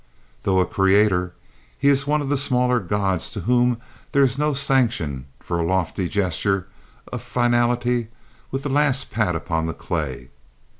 Though a creator, he is one of the smaller Gods to whom there is no sanction for a lofty gesture of finality with the last pat upon the clay.